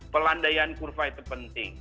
pelandaian kurva itu penting